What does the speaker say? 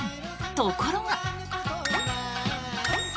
ところが。